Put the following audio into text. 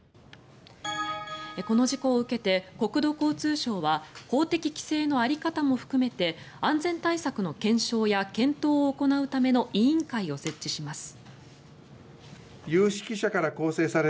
この事故を受けて国土交通省は法的規制の在り方も含めて安全対策の検証や検討を行うための委員会を設置します。